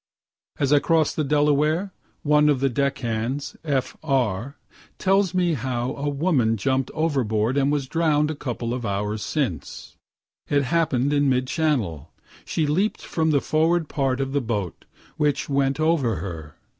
As I cross the Delaware, one of the deck hands, F. R., tells me how a woman jump'd overboard and was drown'd a couple of hours since. It happen'd in mid channel she leap'd from the forward part of the boat, which went over her.